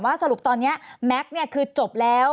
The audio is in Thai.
ว่าสรุปตอนนี้แม็กซ์ซี่จบแล้ว